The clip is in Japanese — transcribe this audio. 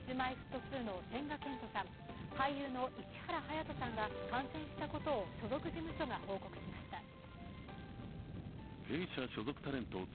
Ｋｉｓ−Ｍｙ−Ｆｔ２の千賀健永さん、俳優の市原隼人さんが感染したことを所属事務所が報告しました。